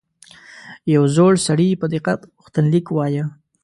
یو زوړ سړي په دقت غوښتنلیک وایه.